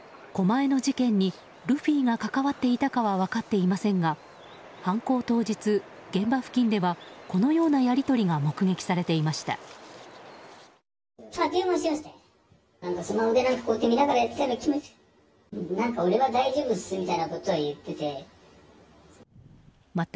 狛江の事件にルフィが関わっていたかどうかは分かりませんが犯行当日、現場付近ではこのようなやり取りが目撃されていました。